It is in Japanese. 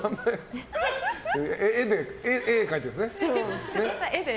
絵で描いてるんですね。